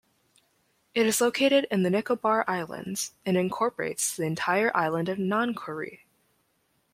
It is located in the Nicobar Islands, and incorporates the entire island of Nancowry.